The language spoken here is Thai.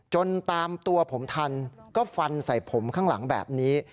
ตามตัวผมทันก็ฟันใส่ผมข้างหลังแบบนี้